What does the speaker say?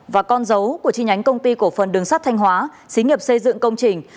và con dấu của chi nhánh công ty cổ phần đường sắt thanh hóa xí nghiệp xây dựng công trình